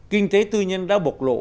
kinh tế tư nhân đã bộc lộ